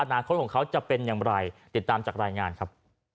อนาคตของเขาจะเป็นอย่างไรติดตามจากรายงานครับ